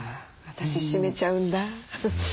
私閉めちゃうんだ。